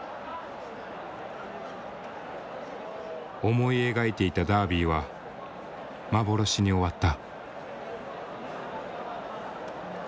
思い描いていたダービーは幻に終わった。